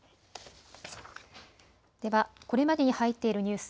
ではこれまでに入っているニュース